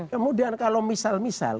kemudian kalau misal misal